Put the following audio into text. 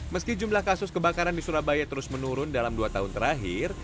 meski jumlah kasus kebakaran di surabaya terus menurun dalam dua tahun terakhir